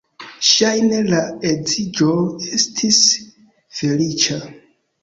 Ŝajne la edziĝo estis feliĉa.